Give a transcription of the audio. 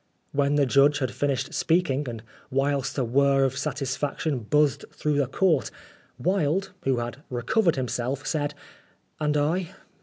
When the judge had finished speaking, and whilst a whirr of satisfaction buzzed through the Court, Wilde, who had recovered him self, said, "And I?